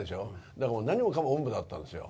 だからもう、何もかもおんぶだったんですよ。